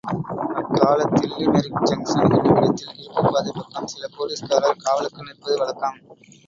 அக்காலத்தில்லிமெரிக் junction என்னுமிடத்தில் இருப்புப் பாதை பக்கம் சில போலீஸ்காரர் காவலுக்கு நிற்பது வழக்கம்.